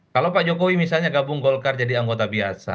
kalau pak jokowi misalnya gabung golkar jadi anggota biasa